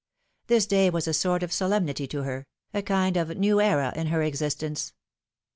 This day was a sort of solemnity to her — a kind of new era in her existence.